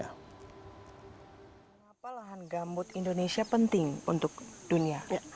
mengapa lahan gambut indonesia penting untuk dunia